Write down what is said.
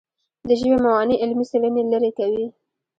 د ژبې موانع علمي څېړنې لیرې کوي.